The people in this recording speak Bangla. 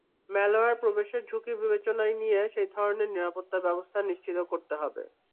ম্যালওয়্যার প্রবেশের ঝুঁকি বিবেচনায় নিয়ে সেই ধরনের নিরাপত্তাব্যবস্থা নিশ্চিত করতে হবে।